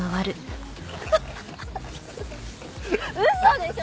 嘘でしょ！？